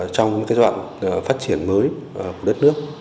trong cái dọn phát triển mới của đất nước